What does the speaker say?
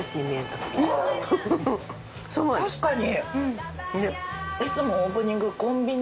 確かに。